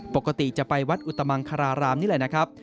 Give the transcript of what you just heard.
ปกติจะไปวัดอุตมังคารารามนี่แหละนะครับ